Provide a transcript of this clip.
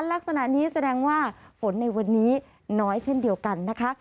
ลักษณะนี้แสดงว่าฝนในวันนี้น้อยเช่นเดียวกันนะคะ